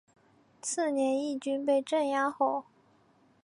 次年义军被镇压后。